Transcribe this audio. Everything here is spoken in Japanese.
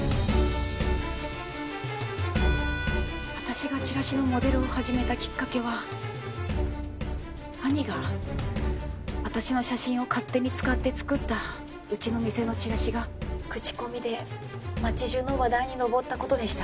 私がチラシのモデルを始めたきっかけは兄が私の写真を勝手に使って作ったうちの店のチラシが口コミで街中の話題に上った事でした。